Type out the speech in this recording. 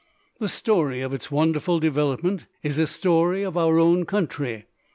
The story of its wonderful development is a story of our own country.